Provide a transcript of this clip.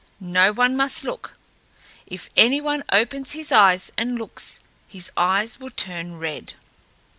No one must look. If any one opens his eyes and looks, his eyes will turn red."